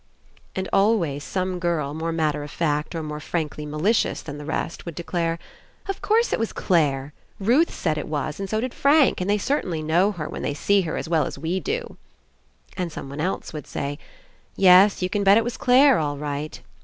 And always some girl, more matter of fact or more frankly malicious than the rest, would declare: "Of course it was Clare! Ruth said it was and so did Frank, and they cer tainly know her when they see her as well as we do." And someone else would say: "Yes, you can bet it was Clare all right."